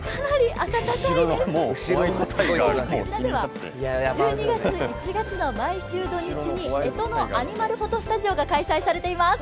こちらでは１２月、１月の毎週土・日に干支のアニマルフォトスタジオが開催されています。